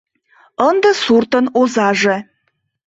Ынде суртын озаже.